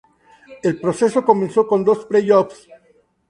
El proceso comenzó con dos play-offs.